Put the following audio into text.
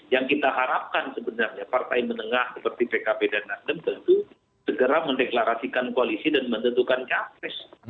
yang kita harapkan sebenarnya partai menengah seperti pkb dan nasdem tentu segera mendeklarasikan koalisi dan menentukan capres